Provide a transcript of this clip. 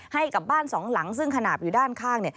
ให้กับบ้านสองหลังซึ่งขนาดอยู่ด้านข้าง